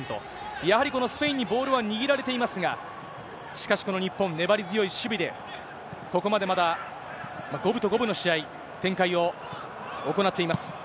やはりこのスペインにボールは握られていますが、しかしこの日本、粘り強い守備で、ここまでまだ五分と五分の試合、展開を行っています。